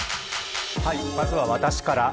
まずは私から。